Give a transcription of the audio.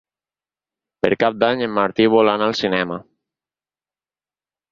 Per Cap d'Any en Martí vol anar al cinema.